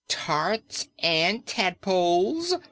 "Tarts and tadpoles!"